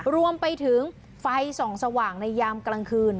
รวมไปถึงไฟส่องสว่างในยามกลางคืน